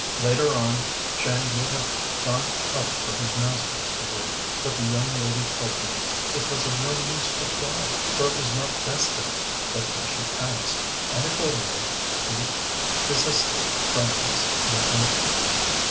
Later on, Chang would have gone up for his master's degree, but the young lady told him it was of no use to try, for it was not destined that he should pass; and accordingly he desisted from his intention.